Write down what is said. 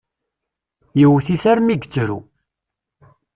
Yewwet-it armi i yettru.